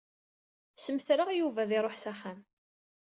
Smetreɣ Yuba ad iṛuḥ s axxam.